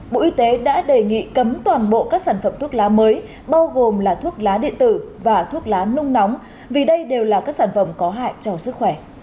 bộ y tế đã đề nghị cấm toàn bộ các sản phẩm thuốc lá mới bao gồm là thuốc lá điện tử và thuốc lá nung nóng vì đây đều là các sản phẩm có hại cho sức khỏe